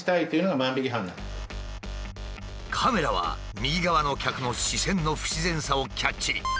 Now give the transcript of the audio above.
カメラは右側の客の視線の不自然さをキャッチ。